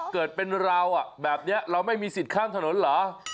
เกิดเป็นเราแบบนี้เราไม่มีสิทธิ์ข้ามถนนเหรอ